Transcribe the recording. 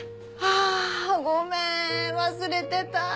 あごめん忘れてた！